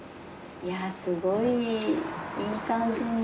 すごいいい感じに。